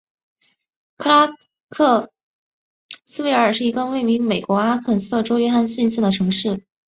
克拉克斯维尔是一个位于美国阿肯色州约翰逊县的城市。